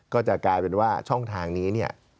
ก็จะกลายเป็นว่าช่องทางนี้เนี่ย